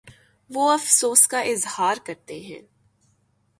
وہ افسوس کا اظہارکرتے ہیں